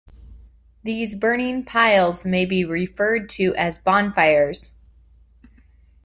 These burning piles may be referred to as bonfires.